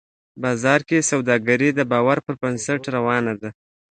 بازار کې سوداګري د باور پر بنسټ روانه وي